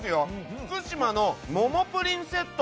福島の桃プリンセット。